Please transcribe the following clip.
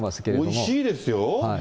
おいしいですよ。